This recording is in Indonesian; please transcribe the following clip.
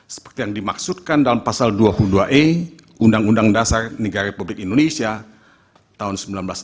seperti yang dimaksudkan dalam pasal dua puluh dua e undang undang dasar negara republik indonesia tahun seribu sembilan ratus empat puluh lima